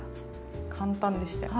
簡単でしたよね。